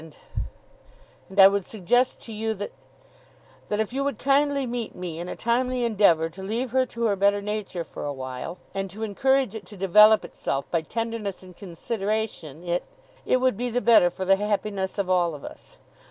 And—and I would suggest to you, that—that if you would kindly meet me in a timely endeavour to leave her to her better nature for a while—and to encourage it to develop itself by tenderness and consideration—it—it would be the better for the happiness of all of us.